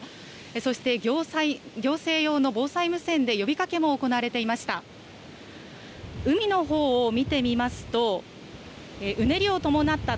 そして行政用の防災無線で呼びかけも行われていました。